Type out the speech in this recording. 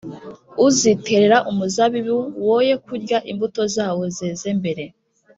uziterera umuzabibu, woye kurya imbuto zawo zeze mbere.